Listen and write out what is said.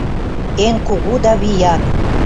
Эн кугу да виян.